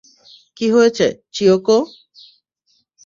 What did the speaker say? কী হয়েছে, চিয়োকো?